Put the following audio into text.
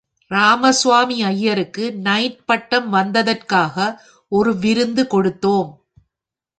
ராமஸ்வாமி ஐயருக்கு நைட் பட்டம் வந்ததற்காக, ஒரு விருந்து கொடுத்தோம்.